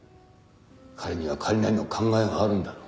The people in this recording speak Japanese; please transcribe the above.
彼には彼なりの考えがあるんだろう。